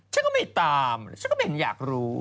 ฉันก็ไม่ตามฉันก็เป็นอยากรู้